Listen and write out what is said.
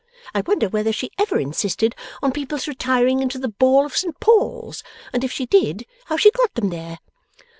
I wonder whether she ever insisted on people's retiring into the ball of St Paul's; and if she did, how she got them there!